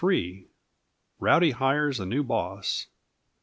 Rowdy Hires a New Boss.